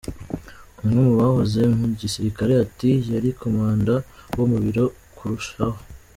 Umwe mu bahoze mu gisirikare ati: “Yari komanda wo mu biro kurushaho.